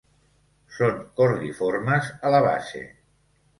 Són cordiformes a la base.